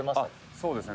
「そうですね。